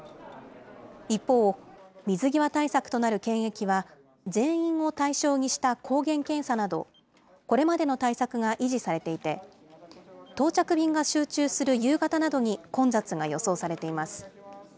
一方、水際対策となる検疫は、全員を対象にした抗原検査など、これまでの対策が維持されていて、到着便が集中する夕方などに混雑が予想されています。